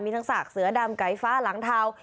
ทั้งศักดิ์เสือดำไกลฟ้าหลังเทา